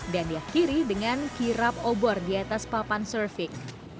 dan diakhiri dengan kirap obor di atas papan surfing